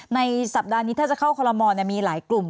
ในสัปดาห์นี้ถ้าจะเข้าคอลโมมีหลายกลุ่ม